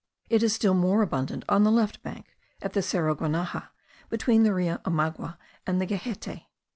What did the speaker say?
It is still more abundant on the left bank, at the Cerro Guanaja, between the Rio Amaguaca and the Gehette.